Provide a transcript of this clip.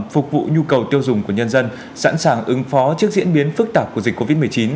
phục vụ nhu cầu tiêu dùng của nhân dân sẵn sàng ứng phó trước diễn biến phức tạp của dịch covid một mươi chín